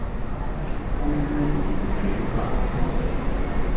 Ó hwélì̀ ŋměmà.